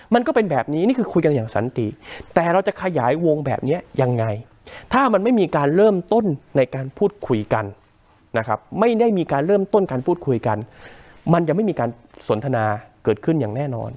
มันก็เป็นแบบนี้นี่คือคุยกันอย่างสันติแต่เราจะขยายวงแบบนี้ยังไงถ้ามันไม่มีการเริ่มต้นในการพูดคุยกันนะครับไม่ได้มีการเริ่มต้นการพูดคุยกันมันยังไม่มีการสนทนาเกิดขึ้นอย่างแน่นอน